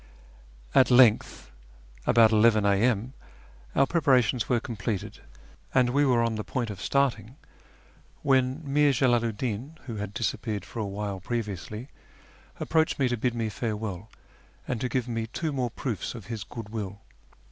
At length, about 11 a.m., our preparations were completed, and we were on the point of starting, when Mir Jalalu 'd Din (who had disappeared for a while previously) approached me to bid me farewell and to give me two more proofs of his good will.